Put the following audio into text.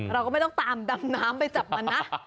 เราก็ไม่ต้องตามดำน้ำไปจับมันนะ